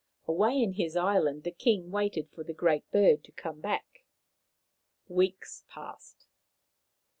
Away in his island the king waited for the Great Bird to come back. Weeks passed.